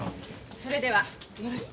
それではよろしく。